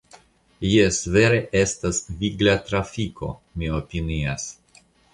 Jes, vere estas vigla trafiko, mi opinias.